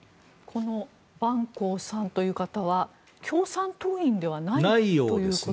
このバン・コウさんという方は共産党員ではないということですか。